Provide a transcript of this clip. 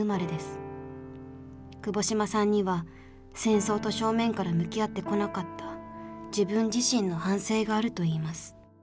窪島さんには戦争と正面から向き合ってこなかった自分自身の反省があるといいます。